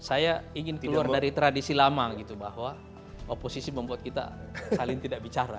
saya ingin keluar dari tradisi lama gitu bahwa oposisi membuat kita saling tidak bicara